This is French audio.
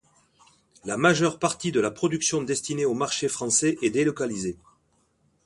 La majeure partie de la production destinée au marché français est délocalisée.